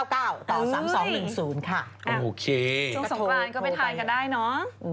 โอเคช่วงสงกรานก็ไปทานกันได้เนอะ